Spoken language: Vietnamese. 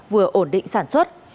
vừa ổn định sản xuất